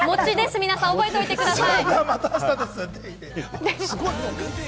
皆さん、覚えておいてください。